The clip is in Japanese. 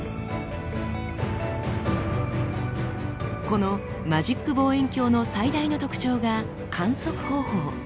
このマジック望遠鏡の最大の特徴が観測方法。